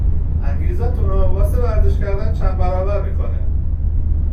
انگیزتونو واسه ورزش کردن چند برابر میکنه